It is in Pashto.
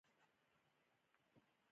دا کار په نارینه سالارو مناسباتو کې کیږي.